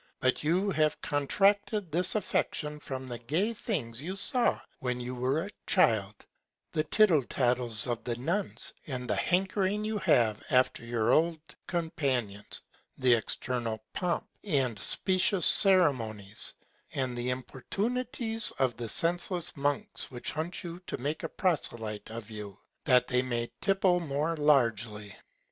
But you have contracted this Affection from the gay Things you saw when you were a Child; the Tittle tattles of the Nuns, and the Hankering you have after your old Companions, the external Pomp and specious Ceremonies, and the Importunities of the senseless Monks which hunt you to make a Proselyte of you, that they may tipple more largely.